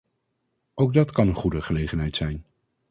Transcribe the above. Ook dat kan een goede gelegenheid zijn.